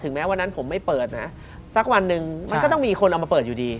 แม้วันนั้นผมไม่เปิดนะสักวันหนึ่งมันก็ต้องมีคนเอามาเปิดอยู่ดี